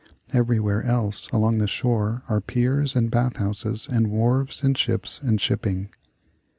Everywhere else along the shore are piers and bath houses and wharves and ships and shipping.